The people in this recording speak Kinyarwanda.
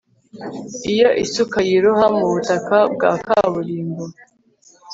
Iyo isuka yiroha mu butaka bwa kaburimbo